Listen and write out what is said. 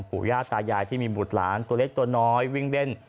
ผู้ยาดตายายที่มีหมุดหลานกระตุนเล็กตัวน้อยวิ่งเล่น